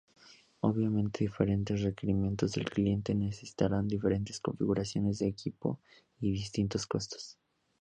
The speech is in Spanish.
Obviamente diferentes requerimientos del cliente necesitarán diferentes configuraciones de equipo y distintos costos.